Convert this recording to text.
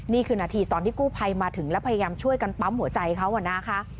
นี่คือนาทีตอนที่กู้ภัยมาถึงแล้วพยายามช่วยกันปั๊มหัวใจเขานะคะ